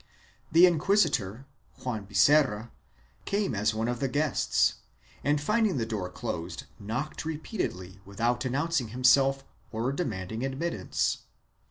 The inquisitor, Juan Biserra, came as one of the guests and finding the door closed knocked repeatedly without announcing himself or demanding admittance.